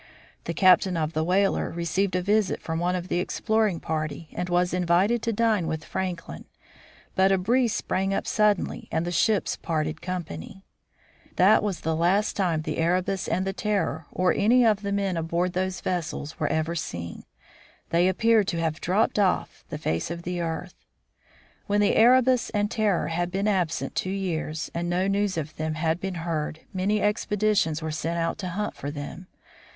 The captain of the whaler received a visit from some of the exploring party, and was invited to dine with Franklin, but a breeze sprang up suddenly, and the ships parted company. THE EREBUS AND THE TERROR 27 That was the last time the Erebus and the Terror, or any of the men aboard those vessels, were ever seen. They appeared to have dropped off the face of the earth. When the Erebus and Terror had been absent two years, and no news of them had been heard, many expeditions were sent out to hunt for them.